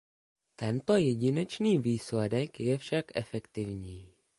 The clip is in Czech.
Tento jediný výsledek je však efektivní.